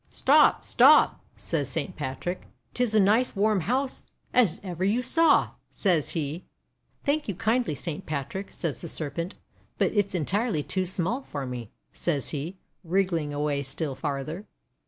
"Stop! stop!' says Saint Patrick. 'T is a nice warm house as ever you saw," says he. "Thank you kindly, Saint Patrick," says the Serpent, "but it's entirely too small for me," says he, wriggling away still farther.